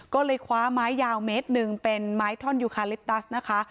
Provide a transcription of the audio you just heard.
ก็เลยคว้าไม้ยาวเมตรหนึ่งเป็นไม้ท่อนยูคาลิปตัสนะคะ